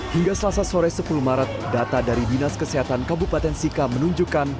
hingga selasa sore sepuluh maret data dari dinas kesehatan kabupaten sika menunjukkan